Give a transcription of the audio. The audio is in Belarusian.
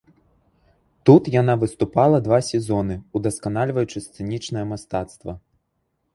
Тут яна выступала два сезоны, удасканальваючы сцэнічнае мастацтва.